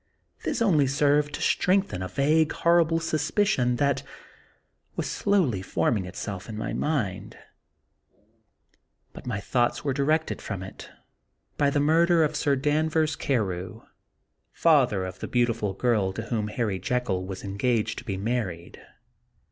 This only served to strengthen a vague, horrible suspicion that was slowly forming itself in my mind ; but my thoughts were directed from it by the murder of Sir Danvers Carew, father of the beautiful girl to whom Harry Jekyll was engaged to be married.